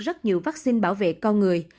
rất nhiều vắc xin bảo vệ con người